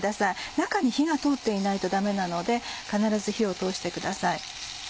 中に火が通っていないとダメなので必ず火を通してください。